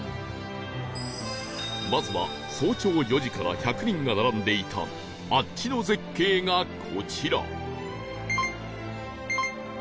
まずは早朝４時から１００人が並んでいた「あっち」の絶景がこちら